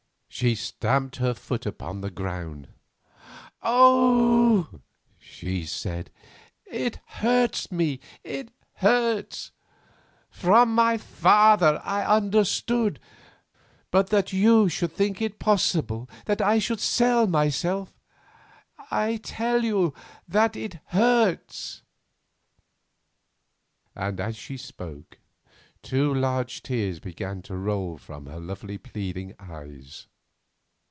She stamped her foot upon the ground. "Oh!" she said, "it hurts me, it hurts—from my father I understood, but that you should think it possible that I would sell myself—I tell you that it hurts," and as she spoke two large tears began to roll from her lovely pleading eyes.